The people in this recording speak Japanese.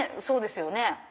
そうですよね。